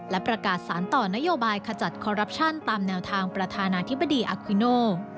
และประกาศสารต่อนโยบายขจัดคอรัปชั่นตามแนวทางประธานาธิบดีอาคิโน